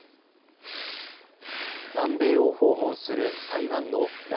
南米を訪問する台湾の頼